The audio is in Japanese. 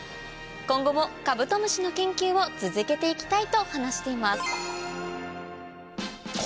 今後もカブトムシの研究を続けて行きたいと話しています